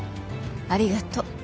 ありがとう。